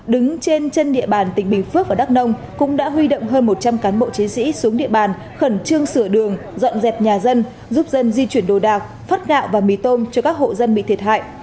đứng trên chân địa bàn tỉnh bình phước và đắk nông cũng đã huy động hơn một trăm linh cán bộ chiến sĩ xuống địa bàn khẩn trương sửa đường dọn dẹp nhà dân giúp dân di chuyển đồ đạc phát gạo và mì tôm cho các hộ dân bị thiệt hại